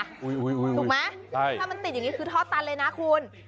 ถูกไหมถ้ามันติดอย่างนี้คือท่อตันเลยนะคุณ